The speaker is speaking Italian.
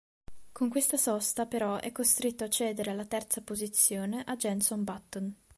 Con questa sosta però è costretto a cedere la terza posizione a Jenson Button.